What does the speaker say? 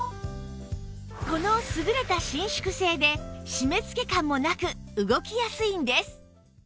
この優れた伸縮性で締めつけ感もなく動きやすいんです